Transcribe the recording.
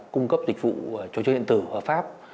cung cấp dịch vụ cho điện tử hợp pháp